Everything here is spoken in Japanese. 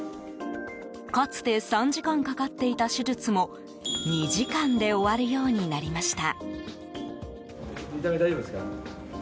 かつて３時間かかっていた手術も２時間で終わるようになりました。